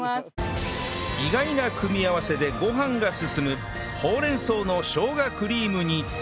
意外な組み合わせでご飯が進むほうれん草のしょうがクリーム煮